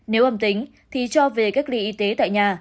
nếu âm tính thì cho về cách ly y tế tại nhà